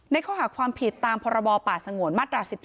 ในข้อหาความผิดตามพปสงม๑๔